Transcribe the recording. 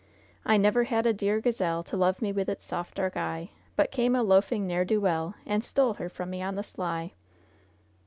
"'I never had a dear gazelle To love me with its soft, dark eye, But came a loafing ne'er do well And stole her from me on the sly!'"